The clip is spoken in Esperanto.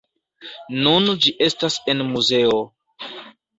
Nun ĝi estas en muzeo.